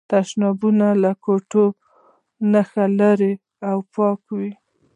تشنابونه له کوټو نه ښه لرې او پاک وو.